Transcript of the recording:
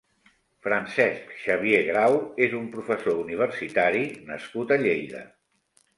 Francesc Xavier Grau és un profesor universitari nascut a Lleida.